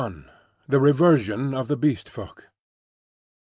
XXI. THE REVERSION OF THE BEAST FOLK.